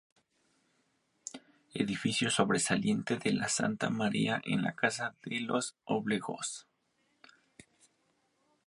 Edificio sobresaliente de Santa María es la casa de los Obregón.